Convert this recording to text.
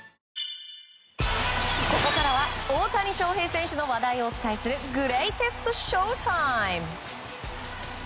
ここからは大谷翔平選手の話題をお伝えするグレイテストＳＨＯ‐ＴＩＭＥ。